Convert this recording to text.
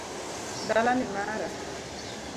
Dala ni mara